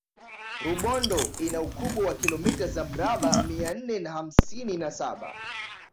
rubondo ina ukubwa wa kilomita za mraba mia nne na hamsini na saba